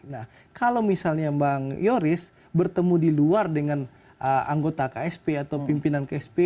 nah kalau misalnya bang yoris bertemu di luar dengan anggota ksp atau pimpinan ksp